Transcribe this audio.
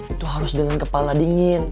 itu harus dengan kepala dingin